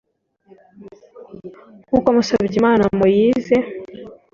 nk’uko Musabyimana Moise